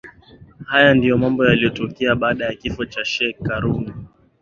Hayo ndio mambo yaliyotokea baada ya kifo cha Sheikh Karume